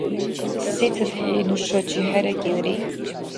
СецадхӀи нушачи хӀеракӀилри?